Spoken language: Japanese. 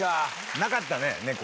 なかったねネコ。